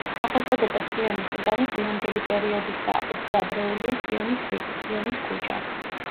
სახელწოდება „სიონის უბანი“ გვიანდელი პერიოდისაა, უფრო ადრეულია სიონის რიგი, სიონის ქუჩა.